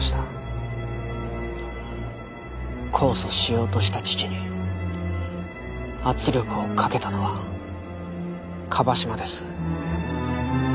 控訴しようとした父に圧力をかけたのは椛島です。